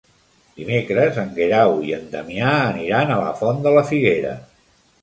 Dimecres en Guerau i en Damià aniran a la Font de la Figuera.